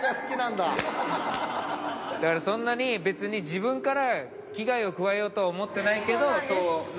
だからそんなに別に自分から危害を加えようとは思ってないけどそうなっちゃうんですね？